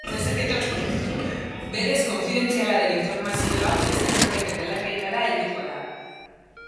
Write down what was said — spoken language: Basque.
Berez konfidentziala den informazio hau beste norbaiten belarrietara helduko da.